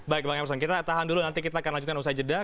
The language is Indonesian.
baik bang emerson kita tahan dulu nanti kita akan lanjutkan usai jeda